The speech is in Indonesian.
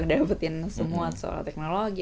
dapetin semua soal teknologi